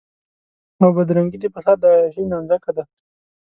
او بدرنګي د فساد د عياشۍ نانځکه ده.